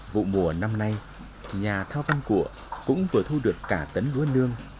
vụ mùa năm nay nhà thao văn của cũng vừa thu được cả tấn lúa nương